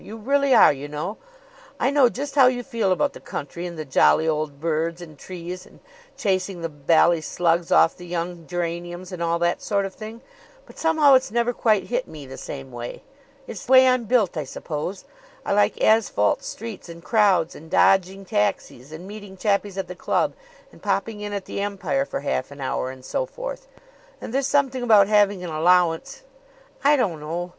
You really are, you know! I know just how you feel about the country and the jolly old birds and trees and chasing the bally slugs off the young geraniums and all that sort of thing, but somehow it's never quite hit me the same way. It's the way I'm built, I suppose. I like asphalt streets and crowds and dodging taxis and meeting chappies at the club and popping in at the Empire for half an hour and so forth. And there's something about having an allowance I don't know